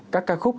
các ca khúc